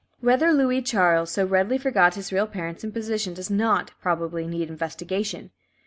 Whether Louis Charles so readily forgot his real parents and position does not, probably, need investigation.